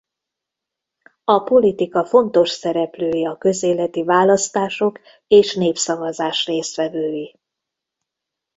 A politika fontos szereplői a közéleti választások és népszavazás résztvevői.